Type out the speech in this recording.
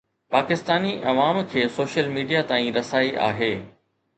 پاڪستاني عوام کي social media تائين رسائي آهي